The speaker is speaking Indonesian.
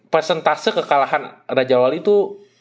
presentase kekalahan raja wali tuh